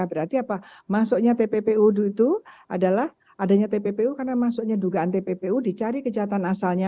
berarti apa masuknya tppu itu adalah adanya tppu karena masuknya dugaan tppu dicari kejahatan asalnya